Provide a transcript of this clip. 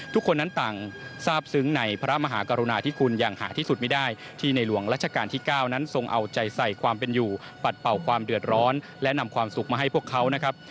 ทุกคนนั้นต่างทราบซึ้งในพระมหากรุณาที่คุณอย่างหาที่สุดไม่ได้ที่ในหลวงรัชกาลที่๙นั้นทรงเอาใจใส่ความเป็นอยู่ปัดเป่าความเดือดร้อนและนำความสุขมาให้พวกเขานะครับ